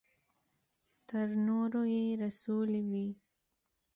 تر نورو يې رسولې وي.